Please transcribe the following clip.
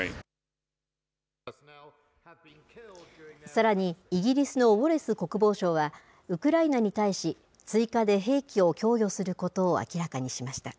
さらにイギリスのウォレス国防相は、ウクライナに対し、追加で兵器を供与することを明らかにしました。